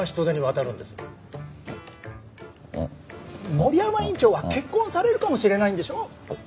森山院長は結婚されるかもしれないんでしょう？